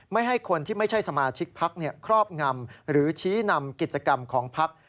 ไม่ให้คนที่ไม่ใช่สมาชิกพักครอบงำหรือชี้นำกิจกรรมของพัก